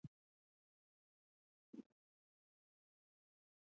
لږ مې مطالعه کړ.